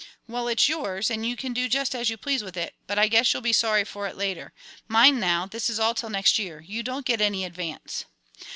"Well, it's yours, and you can do just as you please with it, but I guess you'll be sorry for it later. Mind, now, this is all till next year you don't get any advance."